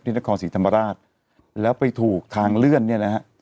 นครศรีธรรมราชแล้วไปถูกทางเลื่อนเนี่ยนะฮะ